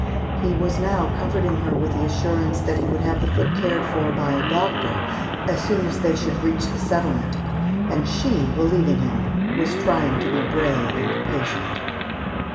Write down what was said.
He was now comforting her with the assurance that he would have the foot cared for by a doctor as soon as they should reach the settlement; and she, believing him, was trying to be brave and patient.